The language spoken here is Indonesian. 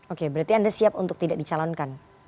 oke berarti anda siap untuk tidak dicalonkan